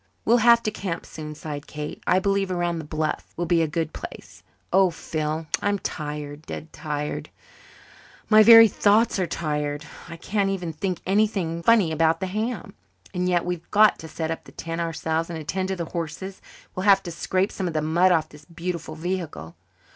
"We'll have to camp soon," sighed Kate. "I believe around this bluff will be a good place. Oh, Phil, I'm tired dead tired! My very thoughts are tired. I can't even think anything funny about the ham. And yet we've got to set up the tent ourselves, and attend to the horses; and we'll have to scrape some of the mud off this beautiful vehicle."